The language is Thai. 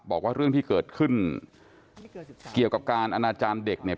บอกว่าเรื่องที่เกิดขึ้นเกี่ยวกับการอนาจารย์เด็กเนี่ย